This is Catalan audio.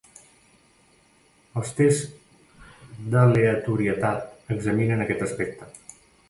Els tests d'aleatorietat examinen aquest aspecte.